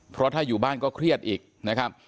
เพราะถ้าอยู่บ้านก็เครียดอีกนะครับ